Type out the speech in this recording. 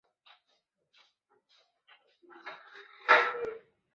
生于北京。